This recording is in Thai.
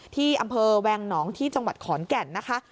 ที่อำเภอแวงหนองที่จังหวัดขอนแก่นนะคะ